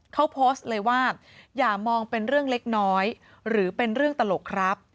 เขาโพสต์เลยว่าอย่ามองเป็นเรื่องเล็กน้อยหรือเป็นเรื่องตลกครับ